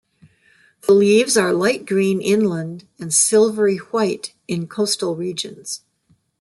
The leaves are light green inland, and silvery-white in coastal regions.